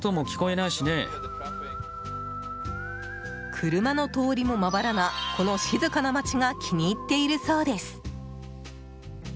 車の通りもまばらなこの静かな街が気に入っているそうです。